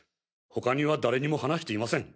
他には誰にも話していません！